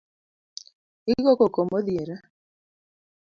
Igokoko modhiera